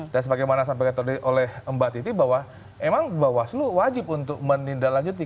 dan sebagaimana sampaikan oleh mbak titi bahwa emang bawaslu wajib untuk menindaklanjuti